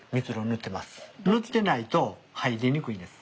塗ってないと入りにくいんです。